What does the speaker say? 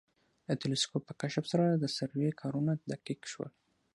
د تلسکوپ په کشف سره د سروې کارونه دقیق شول